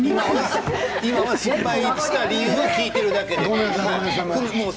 今は失敗した理由を聞いてるだけで。